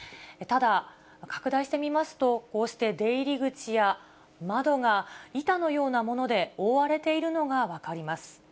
ただ、拡大してみますと、こうして出入り口や窓が板のようなもので覆われているのが分かります。